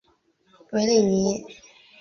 韦里尼。